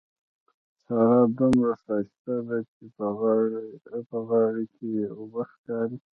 سارا دومره ښايسته ده چې په غاړه کې يې اوبه ښکاري.